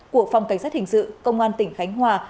của phòng cảnh sát hình sự công an tỉnh khánh hòa